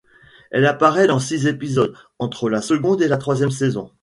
Elle apparaît dans six épisodes, entre la seconde et troisième saison.